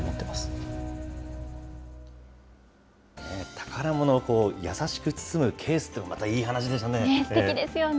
宝ものを優しく包むケースというのが、またいい話ですよね。